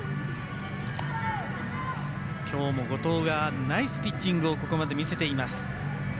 きょうも後藤がナイスピッチングをここまで見せています。